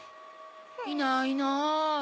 いないな。